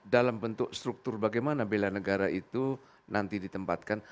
dalam bentuk struktur bagaimana bela negara itu nanti ditempatkan